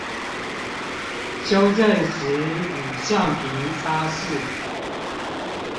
修正時以橡皮擦拭